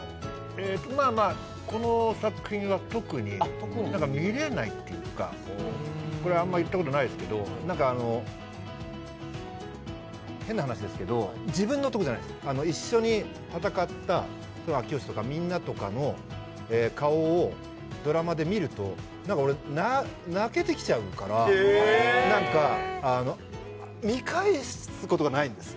えとまあまあこの作品は特にあっ特に何か見れないっていうかこれあんま言ったことないですけど何かあの変な話ですけど自分のとこじゃないんですあの一緒に戦った明慶とかみんなとかの顔をドラマで見ると何か俺泣けてきちゃうから・へえ何かあの見返すことがないんです